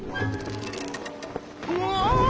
うわ！